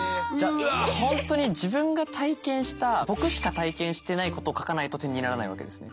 本当に自分が体験した僕しか体験してないことを書かないと点にならないわけですね。